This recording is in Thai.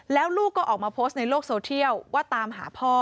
แล้วลูกก็ออกมาโพสต์ในโลกโซเทียลว่าตามหาพ่อ